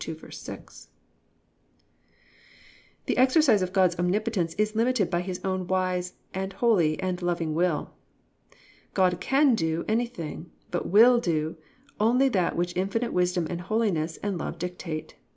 The exercise of God's omnipotence is limited by His own wise and holy and loving will. God can do anything, but will do only that which infinite wisdom and holiness and love dictate.